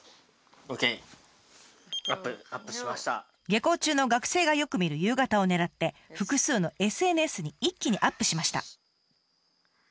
下校中の学生がよく見る夕方を狙って複数のＳＮＳに一気にアップしました。